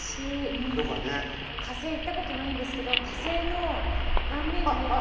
火星行ったことないんですけど火星の断面に見えません？